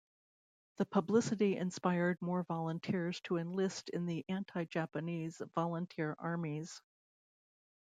The publicity inspired more volunteers to enlist in the Anti-Japanese Volunteer Armies.